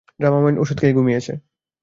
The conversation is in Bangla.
ড্রামামাইন ওষুধ খেয়ে ঘুমিয়েছে।